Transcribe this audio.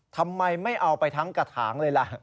ทำไมไม่เอาไปทั้งกระถางเลยล่ะ